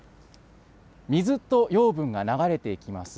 水と養分が流れてきます。